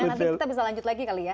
nanti kita bisa lanjut lagi kali ya